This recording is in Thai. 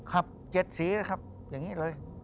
ครับ๗สีนะครับอย่างนี้เลย